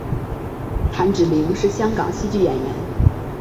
谭芷翎是香港戏剧演员。